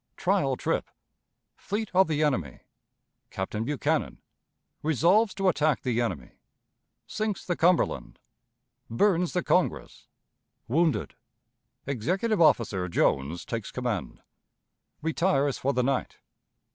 Trial Trip. Fleet of the Enemy. Captain Buchanan. Resolves to attack the Enemy. Sinks the Cumberland. Burns the Congress. Wounded. Executive Officer Jones takes Command. Retires for the Night.